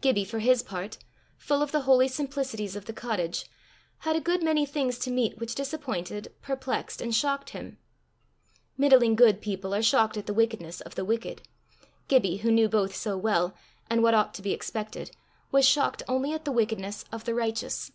Gibbie, for his part, full of the holy simplicities of the cottage, had a good many things to meet which disappointed, perplexed, and shocked him. Middling good people are shocked at the wickedness of the wicked; Gibbie, who knew both so well, and what ought to be expected, was shocked only at the wickedness of the righteous.